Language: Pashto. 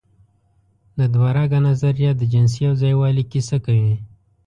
د دوهرګه نظریه د جنسي یوځای والي کیسه کوي.